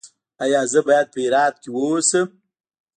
ایا زه باید په هرات کې اوسم؟